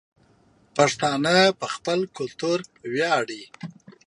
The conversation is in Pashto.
پښتانه په خپل کلتور وياړي